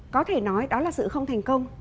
có thể nói đó là sự không thành công